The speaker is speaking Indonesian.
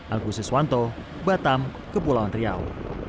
angkusi swanto batam kepulauan riau